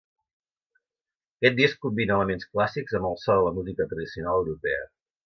Aquest disc combina elements clàssics amb el so de la música tradicional europea.